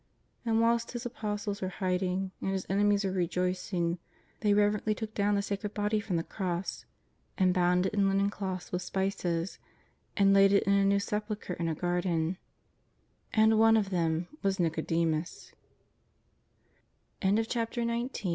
And, whilst His Apostles were hiding and His enemies were rejoicing, they reverently took down the sacred body from the cross and bound it in linen cloths wdth spices, and laid it in a new sepulchre in a garden. And one of them was Nicodemus. XX. AT JACOB S WELL.